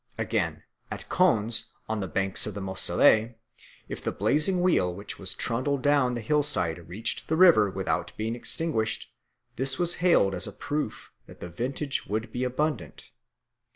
Again, at Konz, on the banks of the Moselle, if the blazing wheel which was trundled down the hillside reached the river without being extinguished, this was hailed as a proof that the vintage would be abundant.